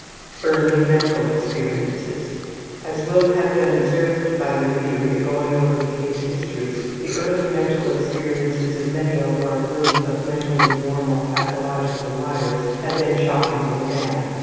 .... .1 Early Mental Experiences. As will have been observed by the reader in going over the case histories, the early mental experiences of many of our group of mentally normal pathological liars have been shockingly bad.